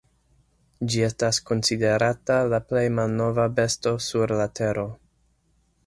Ĝi estas konsiderata la plej malnova besto sur la Tero.